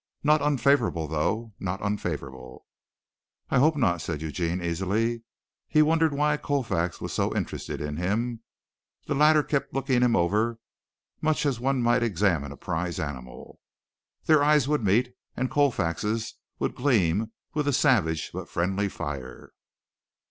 Not unfavorable, though. Not unfavorable." "I hope not," said Eugene easily. He wondered why Colfax was so interested in him. The latter kept looking him over much as one might examine a prize animal. Their eyes would meet and Colfax's would gleam with a savage but friendly fire.